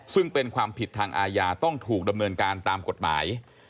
ซึ่งเป็นความผิดทางอาญาต้องถูกดำเนินการตามกฎหมาย